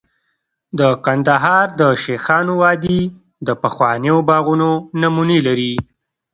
د کندهار د شیخانو وادي د پخوانیو باغونو نمونې لري